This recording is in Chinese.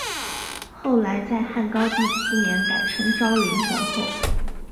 后来在汉高帝七年改称昭灵皇后。